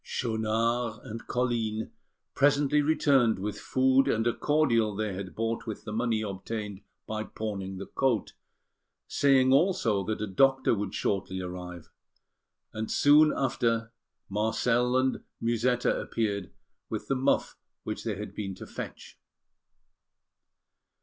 Schaunard and Colline presently returned with food and a cordial they had bought with the money obtained by pawning the coat, saying also that a doctor would shortly arrive; and soon after Marcel and Musetta appeared with the muff they had been to fetch.